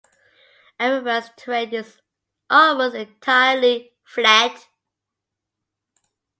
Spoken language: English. Aruba's terrain is almost entirely flat.